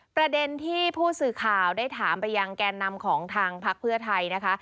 ประเด็นที่ผู้สื่อข่าวได้ถามไปยังแกนนำของทางพักเพื่อไทยนะคะ